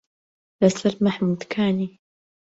لە سەر مەحموودکانی